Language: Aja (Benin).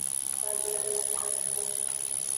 Saglalasato.